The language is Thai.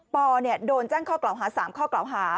โดนแจ้งข้อกล่าวหา๓ข้อกล่าวหา